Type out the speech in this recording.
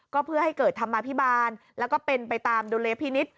ก็เพื่อให้เกิดธรรมาภิบาลแล้วก็เป็นไปตามดุลยพินิษฐ